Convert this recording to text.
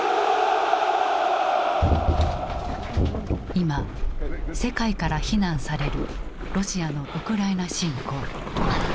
今世界から非難されるロシアのウクライナ侵攻。